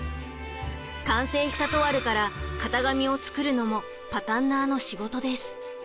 完成したトワルから型紙を作るのもパタンナーの仕事です。